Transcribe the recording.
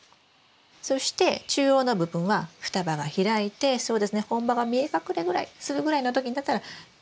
そして中央の部分は双葉が開いてそうですね本葉が見え隠れぐらいするぐらいの時になったら３本に。